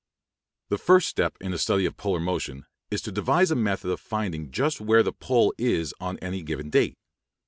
The first step in a study of polar motion is to devise a method of finding just where the pole is on any given date.